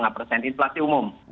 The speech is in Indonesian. nah ini inflasi umum